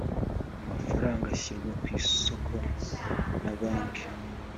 amafaranga azishyirwa ku isoko na banki.